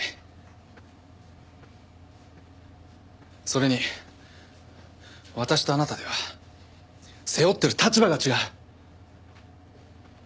それに私とあなたでは背負ってる立場が違う！